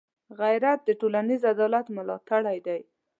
غیرت د ټولنيز عدالت ملاتړی دی